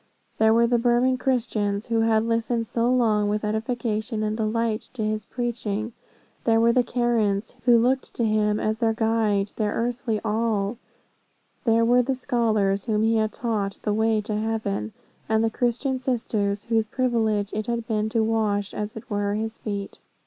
There were the Burman Christians, who had listened so long, with edification and delight, to his preaching there were the Karens, who looked to him as their guide, their earthly all there were the scholars whom he had taught the way to heaven, and the Christian sisters, whose privilege it had been to wash, as it were, his feet.